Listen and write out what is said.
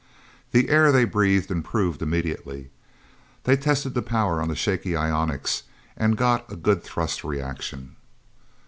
The air they breathed improved immediately. They tested the power on the shaky ionics, and got a good thrust reaction.